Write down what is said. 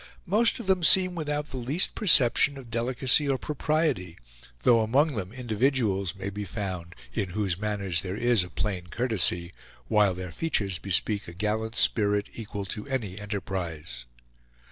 Most of them seem without the least perception of delicacy or propriety, though among them individuals may be found in whose manners there is a plain courtesy, while their features bespeak a gallant spirit equal to any enterprise.